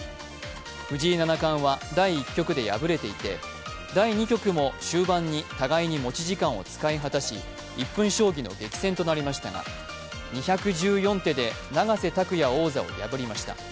藤井七冠は第１局で敗れていて第２局も終盤に、互いに持ち時間を使い果たし、１分将棋の激戦となりましたが、２１４手で永瀬拓矢王座を破りました。